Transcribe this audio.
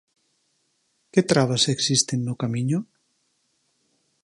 Que trabas existen no camiño?